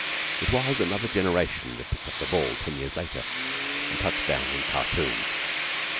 It was another generation that picked up the ball ten years later and touched down in Khartoum.